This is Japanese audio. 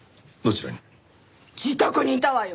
自宅にいたわよ。